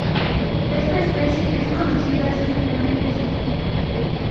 Esta especie es conocida simplemente 'Suspiro'.